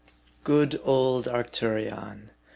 GOOD old Arcturion !